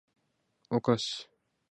お菓子を食べる